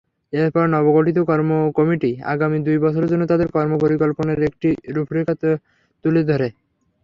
এরপর নবগঠিত কমিটি আগামী দুই বছরের জন্য তাদের কর্মপরিকল্পনার একটি রূপরেখা তুলে ধরে।